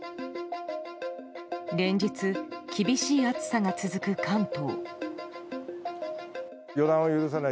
連日、厳しい暑さが続く関東。